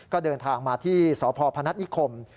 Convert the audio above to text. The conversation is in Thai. ก็เดินทางมาที่สพพนัฐนิคม